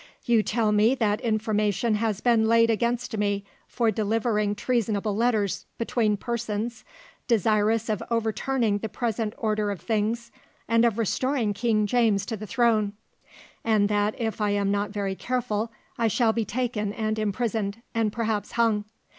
"You tell me that information has been laid against me for delivering treasonable letters between persons desirous of overturning the present order of things and of restoring King James to the throne, and that if I am not very careful I shall be taken and imprisoned, and perhaps hung.